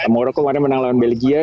morocco menang lawan belgia